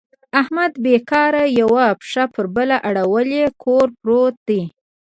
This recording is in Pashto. احمد بېکاره یوه پښه په بله اړولې کور پورت دی.